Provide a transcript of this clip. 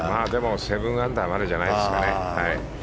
７アンダーまでじゃないですかね。